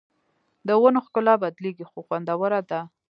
د ونو ښکلا بدلېږي خو خوندوره ده